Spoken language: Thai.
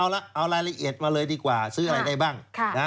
เอาละเอารายละเอียดมาเลยดีกว่าซื้ออะไรได้บ้าง